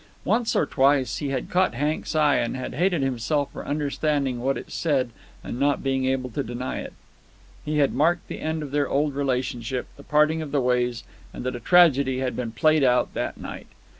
Once or twice he had caught Hank's eye, and had hated himself for understanding what it said and not being able to deny it. He had marked the end of their old relationship, the parting of the ways, and that a tragedy had been played out that night.